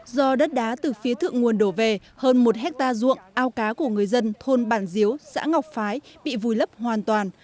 do đất đá từ phía thượng nguồn đổ về hơn một hectare ruộng ao cá của người dân thôn bản diếu xã ngọc phái bị vùi lấp hoàn toàn